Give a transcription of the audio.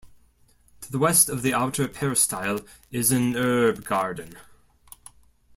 To the west of the Outer Peristyle is an herb garden.